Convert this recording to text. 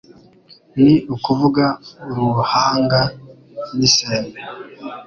ni ukuvuga uruhanga n'isembe.